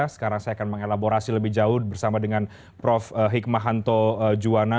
sekarang saya akan mengelaborasi lebih jauh bersama dengan prof hikmahanto juwana